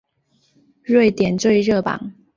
瑞典最热榜。